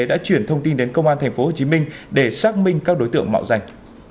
đã chuyển thông tin đến công an tp hcm để xác minh các đối tượng mạo danh